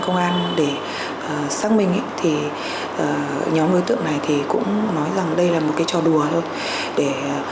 nhóm đối tượng này cũng nói rằng đây là một trò đùa thôi